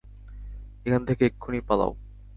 এখান থেকে এক্ষুনি পালাও!